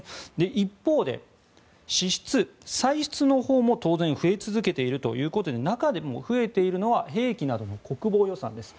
一方で支出、歳出のほうも当然増え続けているということで中でも増えているのは兵器などの国防予算です。